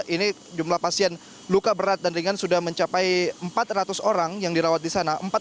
ini jumlah pasien luka berat dan ringan sudah mencapai empat ratus orang yang dirawat di sana